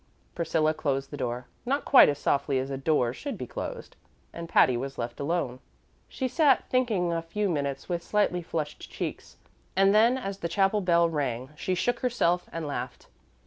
Priscilla closed the door not quite as softly as a door should be closed and Patty was left alone. She sat thinking a few minutes with slightly flushed cheeks, and then as the chapel bell rang she shook herself and laughed.